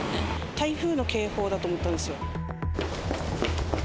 台風の警報だと思ったんですよ。